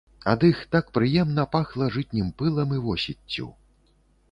Ад іх так прыемна пахла жытнім пылам і восеццю.